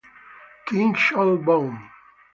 Kim Chol-bom